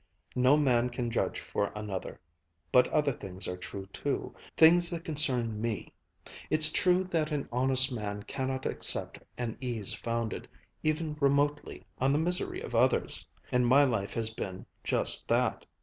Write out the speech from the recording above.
No man can judge for another. But other things are true too, things that concern me. It's true that an honest man cannot accept an ease founded, even remotely, on the misery of others. And my life has been just that.